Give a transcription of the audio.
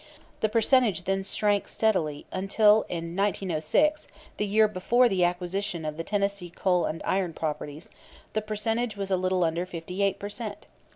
The percentage then shrank steadily, until in 1906, the year before the acquisition of the Tennessee Coal and Iron properties, the percentage was a little under 58 per cent.